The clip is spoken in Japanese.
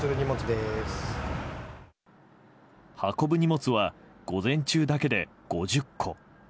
運ぶ荷物は午前中だけで５０個。